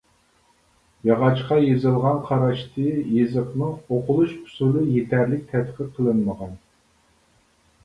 ياغاچقا يېزىلغان قاراشتى يېزىقىنىڭ ئوقۇلۇش ئۇسۇلى يېتەرلىك تەتقىق قىلىنمىغان.